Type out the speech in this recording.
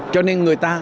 cho nên người ta